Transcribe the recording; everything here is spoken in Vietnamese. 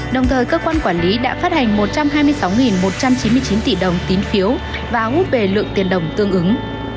đồng thời cơ quan quản lý đã phát hành một trăm hai mươi sáu một trăm chín mươi chín tỷ đồng tín phiếu và hút về lượng tiền đồng tương ứng